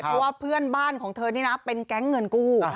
เพราะว่าเพื่อนบ้านของเธอนี่นะเป็นแก๊งเงินกู้